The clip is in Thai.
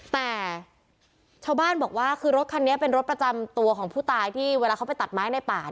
แต่ชาวบ้านบอกว่าคือรถคันนี้เป็นรถประจำตัวของผู้ตายที่เวลาเขาไปตัดไม้ในป่า